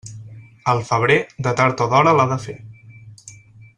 El febrer, de tard o d'hora l'ha de fer.